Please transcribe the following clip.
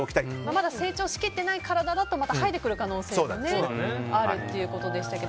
まだ成長しきってない体だと生えてくる可能性もあるということですが。